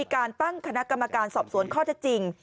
การตั้งคณะกรรมการสอบสวนข้อเท็จจริง